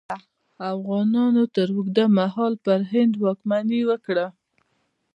افغانانو تر اوږده مهال پر هند واکمني وکړه.